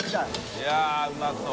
いやうまそう。